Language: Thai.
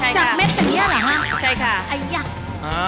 จากเม็ดแบบนี้หรือฮะ